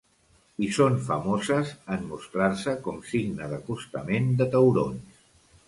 I són famoses en mostrar-se com signe d'acostament de taurons.